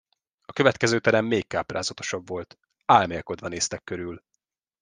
A következő terem még káprázatosabb volt, álmélkodva néztek körül.